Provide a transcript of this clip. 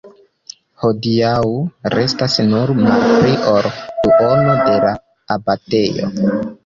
Hodiaŭ restas nur malpli ol duono de la abatejo.